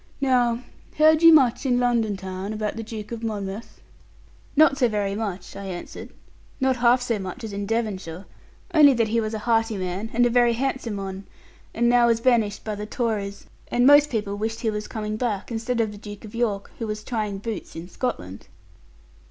Now heard you much in London town about the Duke of Monmouth?' 'Not so very much,' I answered; 'not half so much as in Devonshire: only that he was a hearty man, and a very handsome one, and now was banished by the Tories; and most people wished he was coming back, instead of the Duke of York, who was trying boots in Scotland.'